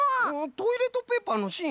トイレットペーパーのしん？